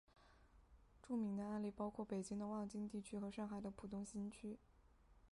著名的案例包括北京的望京地区和上海的浦东新区。